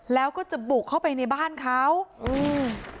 แล้วก็จะบุกเข้าไปในบ้านเขาอืม